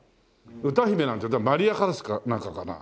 歌姫なんてマリア・カラスかなんかかな？